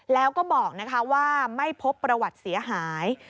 แล้วก็บอกว่าไม่พบประวัติเสียหาย